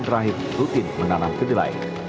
terakhir rutin menanam kedelai